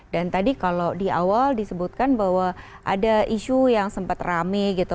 dan tadi kalau di awal disebutkan bahwa ada isu yang sempat rame gitu